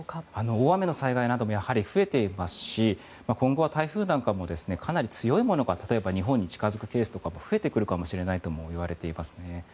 大雨の災害なども増えていますし今後は台風なんかもかなり強いものが例えば、日本に近づくケースが増えていくかもしれないと言われていますね。